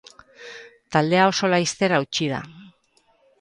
Taldea oso laster hautsi da.